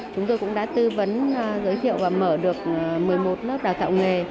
chúng tôi cũng đã tư vấn giới thiệu và mở được một mươi một lớp đào tạo nghề